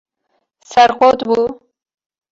Serqot bû.